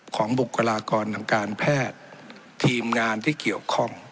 บุคลากรทางการแพทย์ทีมงานที่เกี่ยวข้อง